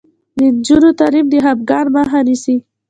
د نجونو تعلیم د خپګان مخه نیسي.